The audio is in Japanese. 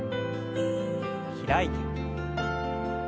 開いて。